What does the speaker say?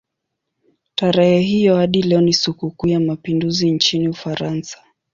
Tarehe hiyo hadi leo ni sikukuu ya mapinduzi nchini Ufaransa.